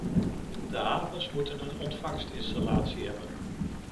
De havens moeten een ontvangstinstallatie hebben.